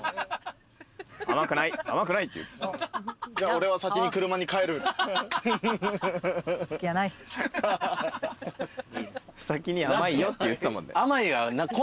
「俺は先に車に帰る」先に「甘いよ」って言ってたもんね。